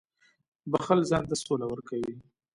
• بښل ځان ته سوله ورکوي.